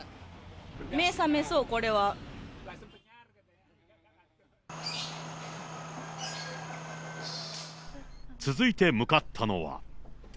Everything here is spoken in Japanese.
目、覚めそう、続いて向かったのは。